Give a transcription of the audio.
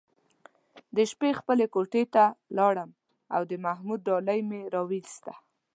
د شپې خپلې کوټې ته لاړم او د محمود ډالۍ مې راوویسته.